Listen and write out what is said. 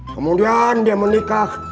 kemudian dia menikah